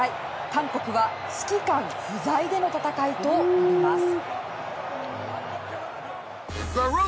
韓国は指揮官不在での戦いとなります。